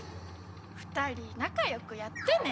２人仲良くやってね。